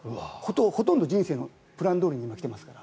ほとんど人生プランどおりに今来ていますから。